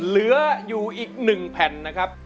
เหลืออยู่อีก๑แผ่นนะครับ